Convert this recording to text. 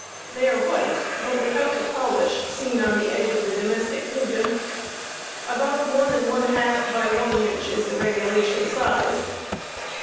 They are white, but without the polish seen on the egg of the domestic pigeon. About one and one half by one inch is the regulation size.